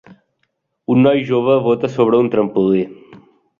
Un noi jove bota sobre un trampolí.